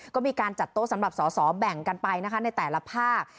ก็มีการจัดโต๊ะสำหรับสอสอแบ่งกันไปนะคะในแต่ละภาค